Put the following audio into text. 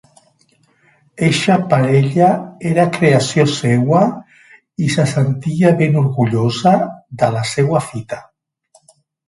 Eixa parella era creació seua i se sentia ben orgullosa de la seua fita.